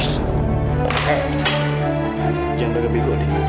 jangan baga baga gue deh